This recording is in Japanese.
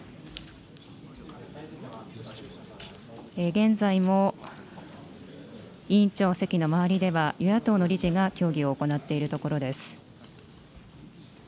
現在も委員長席の周りでは与野党の理事が協議を行っているところです。